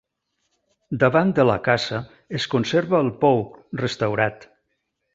Davant de la casa es conserva el pou, restaurat.